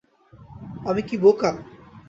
আমি কি বোকা?